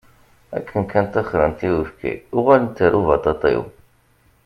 Akken kan taxṛen i uyefki, uɣalen ar ubaṭaṭiw.